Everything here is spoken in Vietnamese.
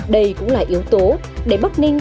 đây cũng là yếu tố để bắc ninh